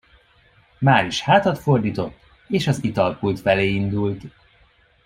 Máris hátat fordított, és az italpult felé indult.